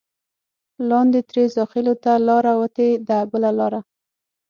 لاندې ترې زاخېلو ته لاره وتې ده بله لاره.